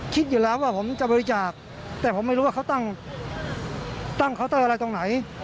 คิดอยู่แล้วว่าผมจะบริจาคแต่ผมไม่รู้ว่าเขาตั้งเคาน์เตอร์อะไรตรงไหน